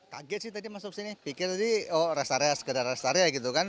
kaget sih tadi masuk sini pikir tadi oh rest area sekedar rest area gitu kan